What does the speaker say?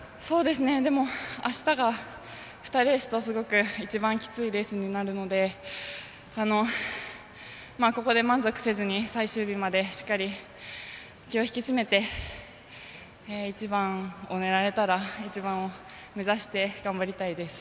でも、あしたが２レースとすごく一番きついレースになるのでここで満足せずに最終日までしっかり気を引き締めて１番を狙えたら１番を目指して頑張りたいです。